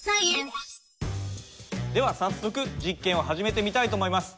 では早速実験を始めてみたいと思います。